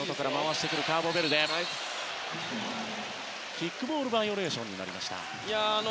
キックボールバイオレーションになりました。